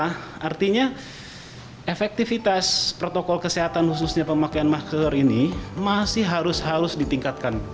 jadi efektivitas protokol kesehatan khususnya pemakaian masker ini masih harus harus ditingkatkan